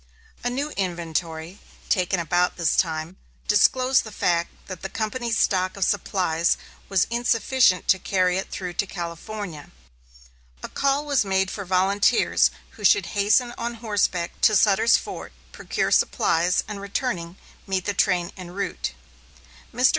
A new inventory, taken about this time, disclosed the fact that the company's stock of supplies was insufficient to carry it through to California. A call was made for volunteers who should hasten on horseback to Sutter's Fort, procure supplies and, returning, meet the train en route. Mr.